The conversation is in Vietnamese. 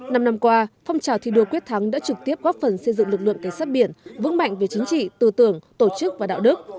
năm năm qua phong trào thi đua quyết thắng đã trực tiếp góp phần xây dựng lực lượng cảnh sát biển vững mạnh về chính trị tư tưởng tổ chức và đạo đức